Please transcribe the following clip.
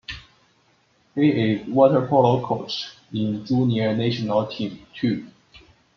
He is waterpolo coach in junior national team, too.